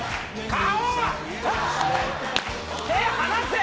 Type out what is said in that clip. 顔！